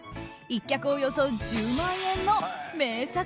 １脚およそ１０万円の名作